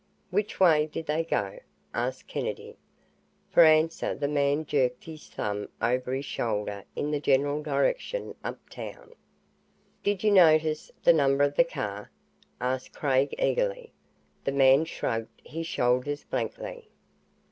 "Which way did they go?" asked Kennedy. For answer the man jerked his thumb over his shoulder in the general direction uptown. "Did you notice the number of the car?" asked Craig eagerly. The man shrugged his shoulders blankly.